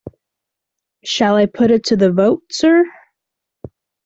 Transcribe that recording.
Shall I put it to the vote, sir?